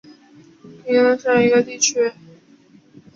肯顿是英格兰伦敦西北部的一个地区。